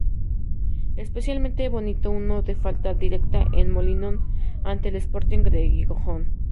Especialmente bonito uno de falta directa en El Molinón ante el Sporting de Gijón.